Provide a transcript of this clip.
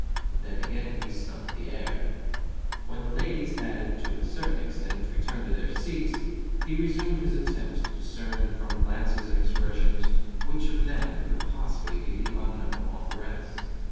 Then again he snuffed the air. When the ladies had, to a certain extent, returned to their seats, he resumed his attempts to discern (from glances and expressions) which of them could possibly be the unknown authoress.